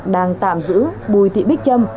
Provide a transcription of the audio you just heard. đang tạm giữ bùi thị bích châm